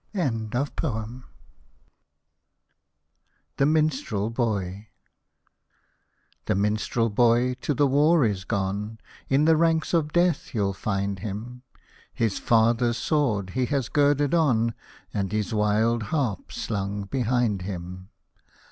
THE MINSTREL BOY The Minstrel Boy to the war is gone, In the ranks of death you'll find him ; His father's sword he has girded on. And his wild harp slung behind him.